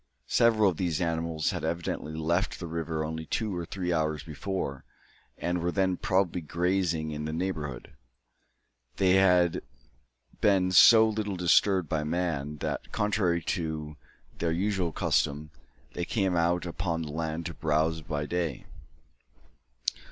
Several of these animals had evidently left the river only two or three hours before, and were then probably grazing in the neighbourhood. They had been so little disturbed by man, that, contrary to their usual custom, they came out upon the land to browse by day.